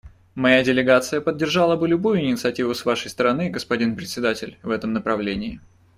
Моя делегация поддержала бы любую инициативу с Вашей стороны, господин Председатель, в этом направлении.